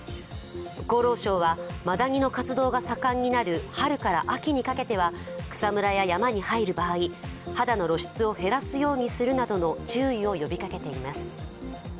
厚労省は、マダニの活動が盛んになる春から秋にかけては草むらや山に入る場合肌の露出を減らすようにするなど注意を呼びかけています。